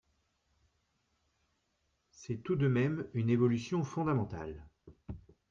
C’est tout de même une évolution fondamentale.